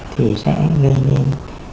thì sẽ gây nên